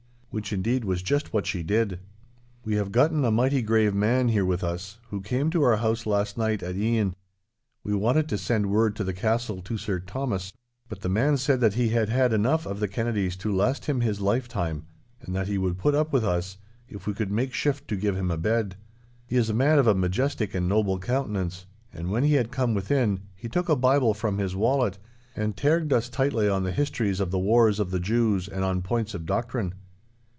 Which indeed was just what she did. 'We have gotten a mighty grave man here with us, who came to our house last night at e'en. We wanted to send word to the castle to Sir Thomas; but the man said that he had had enough of the Kennedies to last him his lifetime, and that he would put up with us, if we could make shift to give him a bed. He is a man of a majestic and noble countenance, and when he had come within, he took a Bible from his wallet, and tairged us tightly on the histories of the wars of the Jews and on points of doctrine.